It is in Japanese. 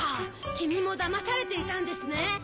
きみもだまされていたんですね！